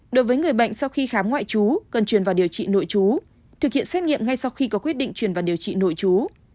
đối với người bệnh sau khi khám ngoại trú cần truyền vào điều trị nội chú thực hiện xét nghiệm ngay sau khi có quyết định chuyển vào điều trị nội chú